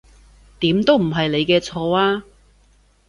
點都唔係你嘅錯呀